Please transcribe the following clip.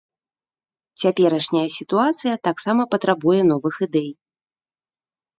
Цяперашняя сітуацыя таксама патрабуе новых ідэй.